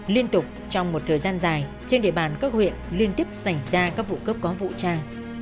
liên tục trong một thời gian dài trên địa bàn các huyện liên tiếp xảy ra các vụ cướp có vũ trang